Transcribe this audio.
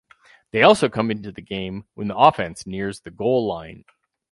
They also come into the game when the offense nears the goal line.